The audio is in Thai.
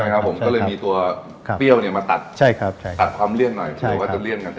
ก็เลยมีตัวเปรี้ยวเนี่ยมาตัดความเลี่ยนหน่อยเพื่อว่าจะเลี่ยนกัน